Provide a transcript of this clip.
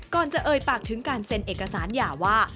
ก่อนจะเอ่ยปากถึงการเซ็นเอกสารหย่าว่า